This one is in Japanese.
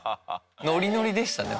ノリノリでしたね